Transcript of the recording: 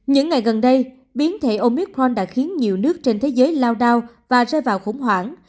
những ngày gần đây biến thể omicron đã khiến nhiều nước trên thế giới lao đao và rơi vào khủng hoảng